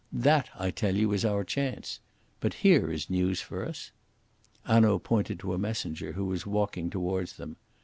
That, I tell you, is our chance. But here is news for us." Hanaud pointed to a messenger who was walking towards them.